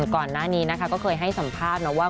ก่อนหน้านี้ก็เคยให้สัมภาพว่า